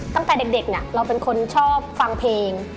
ตั้งแต่เด็กเราเป็นคนชอบฟังเพลง